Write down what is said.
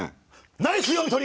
ナイス読み取り！